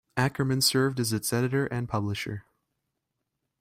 Ackerman served as its editor and publisher.